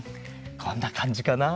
こんなかんじかな。